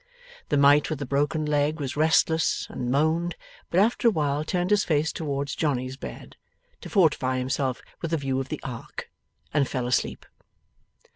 The mite with the broken leg was restless, and moaned; but after a while turned his face towards Johnny's bed, to fortify himself with a view of the ark, and fell asleep.